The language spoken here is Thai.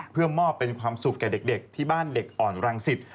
เพื่อมอบเป็นความสุขแก่เด็กที่บ้านเด็กอ่อนรังสิต